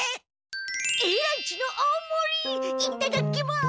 Ａランチの大もりいっただきます！